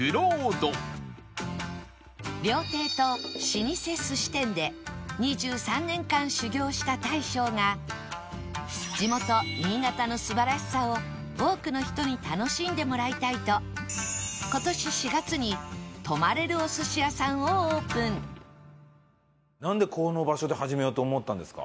料亭と老舗寿司店で２３年間修業した大将が地元新潟の素晴らしさを多くの人に楽しんでもらいたいと今年４月に泊まれるお寿司屋さんをオープンなんでこの場所で始めようと思ったんですか？